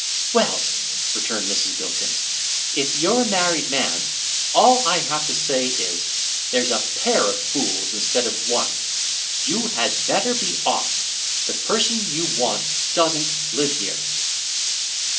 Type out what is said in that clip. "Well," returned Mrs. Bilkins, "if you're a married man, all I have to say is, there's a pair of fools instead of one. You had better be off; the person you want doesn't live here."